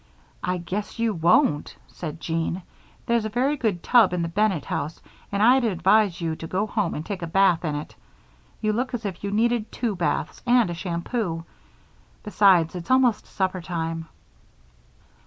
"I guess you won't," said Jean. "There's a very good tub in the Bennett house and I'd advise you to go home and take a bath in it you look as if you needed two baths and a shampoo. Besides, it's almost supper time."